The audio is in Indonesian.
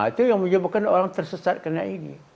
itu yang menyebabkan orang tersesat karena ini